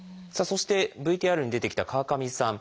そしてＶＴＲに出てきた川上さん。